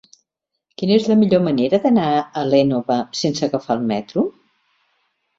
Quina és la millor manera d'anar a l'Énova sense agafar el metro?